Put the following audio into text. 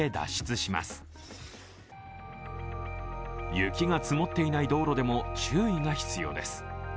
雪が積もっていない道路でも注意が必要です。